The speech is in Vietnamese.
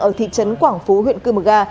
ở thị trấn quảng phú huyện cư mực ga